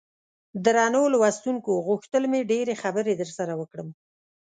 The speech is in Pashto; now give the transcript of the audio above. درنو لوستونکو غوښتل مې ډېرې خبرې درسره وکړم.